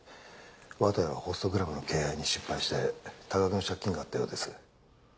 綿谷はホストクラブの経営に失敗して多額の借金があったようです。